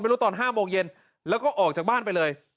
ตอน๕โมงเย็นแล้วก็ออกจากบ้านไปเลย